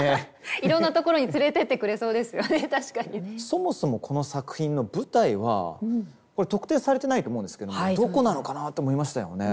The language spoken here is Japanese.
そもそもこの作品の舞台はこれ特定されてないと思うんですけどどこなのかなと思いましたよね。